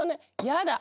やだ。